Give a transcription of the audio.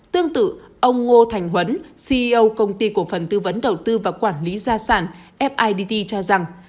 tương tự ông ngô thành huấn ceo công ty cổ phần tư vấn đầu tư và quản lý gia sản fid cho rằng